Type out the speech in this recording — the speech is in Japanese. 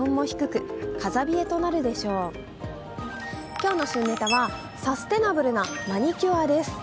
今日の旬ネタはサステナブルなマニキュアです。